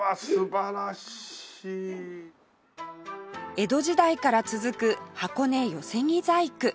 江戸時代から続く箱根寄木細工